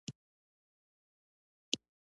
بیکونه مې وسپارم.